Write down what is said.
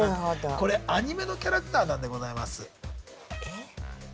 これアニメのキャラクターなんでございます。